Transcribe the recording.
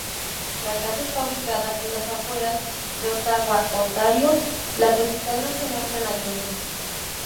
La casa está ubicada en las afueras de Ottawa, Ontario, la capital nacional canadiense.